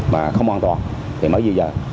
mà không an toàn